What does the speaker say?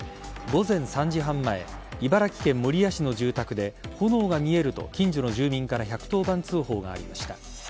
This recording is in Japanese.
午前３時半前茨城県守谷市の住宅で炎が見えると近所の住民から１１０番通報がありました。